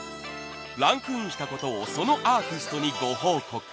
ランクインした事をそのアーティストにご報告。